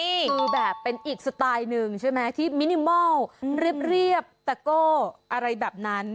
คือแบบเป็นอีกสไตล์หนึ่งใช่ไหมที่มินิมอลเรียบตะโก้อะไรแบบนั้น